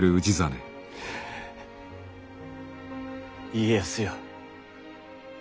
家康よ。